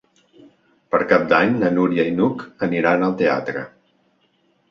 Per Cap d'Any na Núria i n'Hug aniran al teatre.